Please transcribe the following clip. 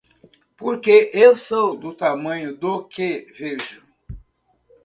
Porque eu sou do tamanho do que vejo.